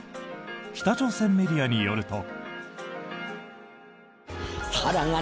北朝鮮メディアによると。